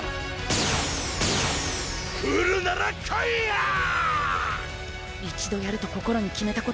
来るなら来いやぁー！